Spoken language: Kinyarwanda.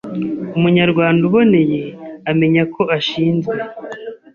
Umunyarwanda uboneye amenya ko ashinzwe